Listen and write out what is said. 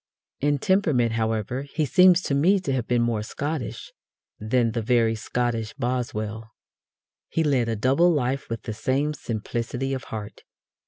In temperament, however, he seems to me to have been more Scottish than the very Scottish Boswell. He led a double life with the same simplicity of heart.